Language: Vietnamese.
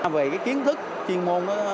về cái kiến thức chuyên môn